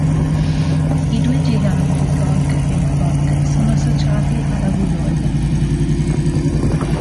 I due giganti, Gog e Magog, sono associati alla "Guildhall".